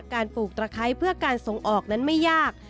ปลูกตะไคร้เพื่อการส่งออกนั้นไม่ยาก